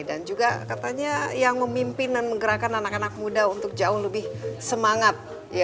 dan juga katanya yang memimpin dan menggerakkan anak anak muda untuk jauh lebih semangat